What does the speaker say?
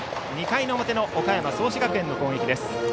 ２回の表の岡山・創志学園の攻撃です。